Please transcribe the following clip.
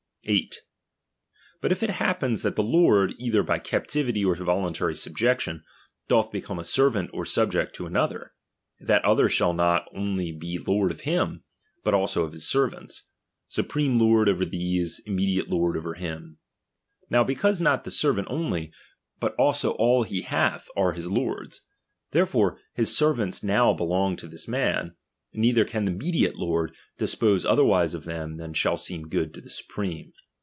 Hethaii. a. But if it happen that the lord, either by cap lord or [he ..'' j i loni.uiDHiaim tivity or voluntary subjection, doth become a ser vajii or subject to another, that other shall not only be lord of him, but also of his servants ; su Ipreme lord over these, immediate lord over him. Now because not the servant only, but also all he hath, are his lord's ; therefore his servants now belong to this man, neither can the mediate lord dispose otherwise of them than shall seem good to Ihe supreme.